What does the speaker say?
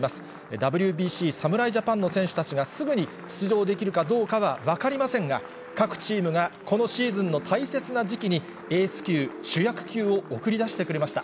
ＷＢＣ侍ジャパンの選手たちがすぐに出場できるかどうかは分かりませんが、各チームがこのシーズンの大切な時期に、エース級、主役級を送り出してくれました。